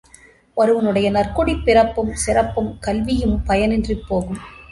ஒருவனுடைய நற்குடிப் பிறப்பும், சிறப்பும், கல்வியும் பயனின்றிப் போகும்.